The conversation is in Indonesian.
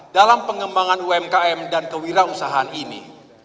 dalam pengembangan umkm dan kewirausahaan ini